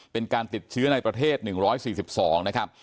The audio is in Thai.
เป็นการติดเชื้อในประเทศ๑๔๒นะครับ